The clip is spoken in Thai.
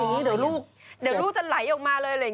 เดี๋ยวลูกจะไหลออกมาเลย